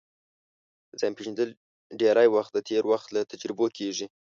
د ځان پېژندل ډېری وخت د تېر وخت له تجربو کیږي